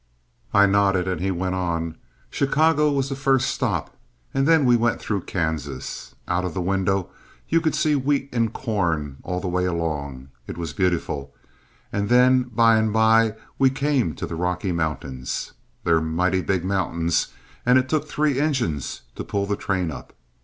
I nodded, and he went on: "Chicago was the first stop, and then we went through Kansas. Out of the window you could see wheat and corn all the way along. It was beautiful. And then by and by we came to the Rocky Mountains. They're mighty big mountains, and it took three engines to pull the train up.